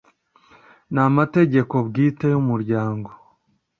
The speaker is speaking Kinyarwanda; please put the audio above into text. n amategeko bwite y umuryango